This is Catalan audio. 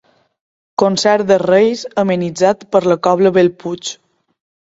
Concert de Reis amenitzat per la Cobla Bellpuig.